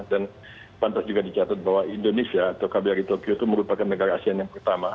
dan pantas juga dicatat bahwa indonesia atau kabar di tokyo itu merupakan negara asean yang pertama